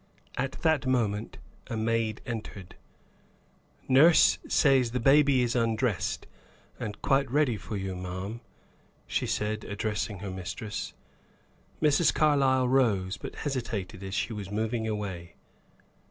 At that moment a maid entered. "Nurse says the baby is undressed, and quite ready for you ma'am," she said, addressing her mistress. Mrs. Carlyle rose, but hesitated as she was moving away.